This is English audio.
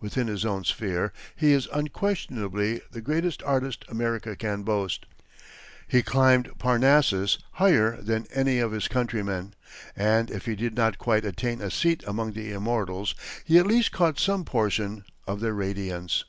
Within his own sphere, he is unquestionably the greatest artist America can boast he climbed Parnassus higher than any of his countrymen, and if he did not quite attain a seat among the immortals, he at least caught some portion of their radiance.